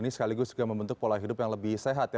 dan sekaligus juga membentuk pola hidup yang lebih sehat ya